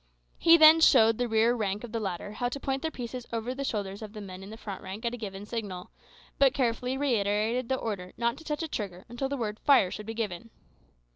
He then showed the rear rank of the latter how to point their pieces over the shoulders of the men in the front rank at a given signal, but carefully reiterated the order not to touch a trigger until the word "Fire" should be given.